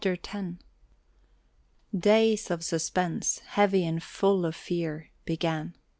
X Days of suspense, heavy and full of fear, began.